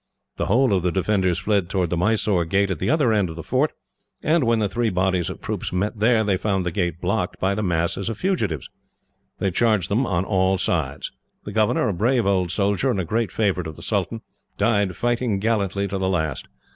The whole of the defenders fled towards the Mysore gate at the other end of the fort, and when the three bodies of troops met there, they found the gate blocked by the masses of fugitives. They charged them on all sides. The governor, a brave old soldier, and a great favourite of the sultan, died fighting gallantly to the last.